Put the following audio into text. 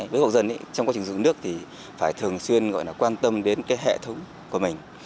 với hộ dân trong quá trình sử dụng nước thì phải thường xuyên quan tâm đến hệ thống của mình